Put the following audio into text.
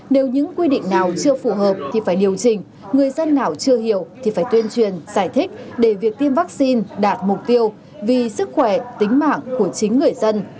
nếu những quy định nào chưa phù hợp thì phải điều chỉnh người dân nào chưa hiểu thì phải tuyên truyền giải thích để việc tiêm vaccine đạt mục tiêu vì sức khỏe tính mạng của chính người dân